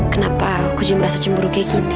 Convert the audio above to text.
kenapa aku juga merasa cemburu kayak gini